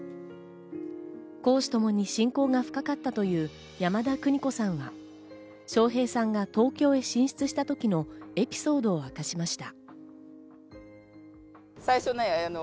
公私ともに親交が深かったという山田邦子さんは、笑瓶さんが東京へ進出した時のエピソードを明かしました。